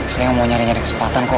saya mau nyari nyari kesempatan kok